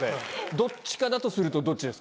どっちかだとするとどっちですか？